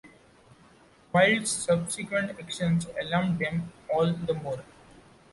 Wild's subsequent actions alarmed them all the more.